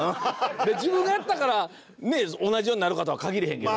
自分がやったから同じようになるかとは限れへんけれど。